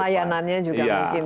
pelayanannya juga mungkin